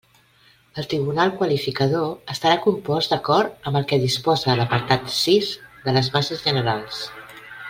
El tribunal qualificador estarà compost d'acord amb el que disposa l'apartat sis de les bases generals.